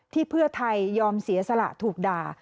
เพื่อไทยยอมเสียสละถูกด่า